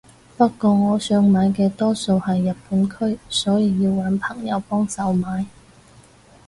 不過我想買嘅多數係日本區所以要搵朋友幫手買